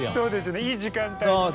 いい時間帯にね。